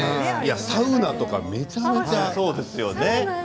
サウナとかめちゃめちゃね。